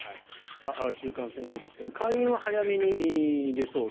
中間選挙ですが下院は早めに出そう。